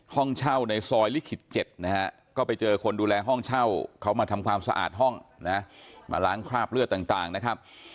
ห้องเช่าในซอยลิขิต๗นะฮะก็ไปเจอคนดูแลห้องเช่าเขามาทำความสะอาดห้องนะมาล้างคราบเลือดต่างนะครับ